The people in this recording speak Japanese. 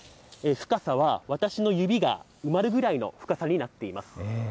深さは私の指が埋まるぐらいの深さになっています。